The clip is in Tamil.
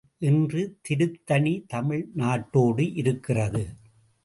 இன்று திருத்தணி தமிழ் நாட்டோடு இருக்கிறது.